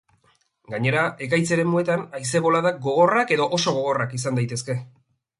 Gainera, ekaitz-eremuetan haize-boladak gogorrak edo oso gogorrak izan daitezke.